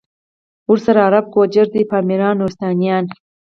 ورسره عرب، گوجر دی پامیریان، نورستانیان